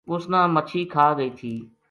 اُس نا مچھی کھا گئی تھی